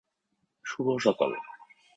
শুভ সকাল!